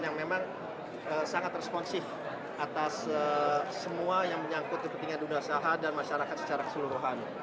yang memang sangat responsif atas semua yang menyangkut kepentingan dunia usaha dan masyarakat secara keseluruhan